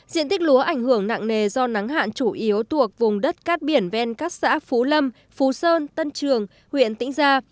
diện tích lúa ảnh hưởng nặng nề do nắng hạn chủ yếu thuộc vùng đất cát biển ven các xã phú lâm phú sơn tân trường huyện tĩnh gia